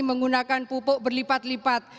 menggunakan pupuk berlipat lipat